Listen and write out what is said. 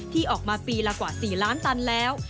ที่ออกมาปีละกว่า๔ล้านตันแล้ว